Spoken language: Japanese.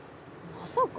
まさか。